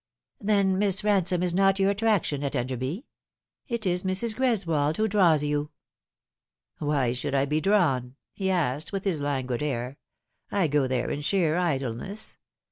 " Then Miss Bansome is not your attraction at Enderby ? It is Mrs. Greswold who draws you." " Why should I be drawn ?" he asked, with his languid air. " I go there in sheer idleness.